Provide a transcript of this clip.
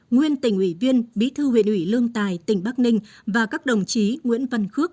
nguyên tỉnh ủy viên bí thư huyện ủy lương tài tỉnh bắc ninh và các đồng chí nguyễn văn khước